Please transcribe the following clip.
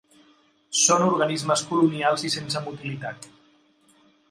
Són organismes colonials i sense motilitat.